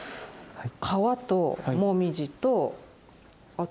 川ともみじとあと。